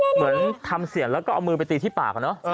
เหมือนทำเสียงแล้วก็เอามือไปตีที่ปาก